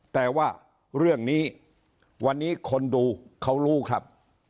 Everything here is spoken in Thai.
แต่ว่าเรื่องนี้วันนี้คนดูเขารู้ครับ